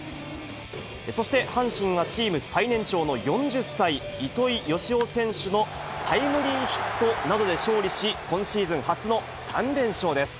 そして、阪神はチーム最年長の４０歳、糸井嘉男選手のタイムリーヒットなどで勝利し、今シーズン初の３連勝です。